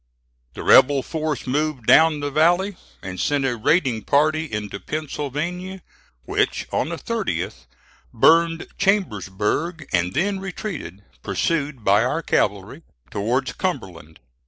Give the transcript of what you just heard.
The rebel force moved down the valley, and sent a raiding party into Pennsylvania which on the 30th burned Chambersburg, and then retreated, pursued by our cavalry, towards Cumberland.